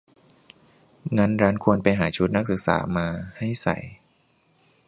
งั้นร้านควรไปหาชุดนักศึกษามาให้ใส่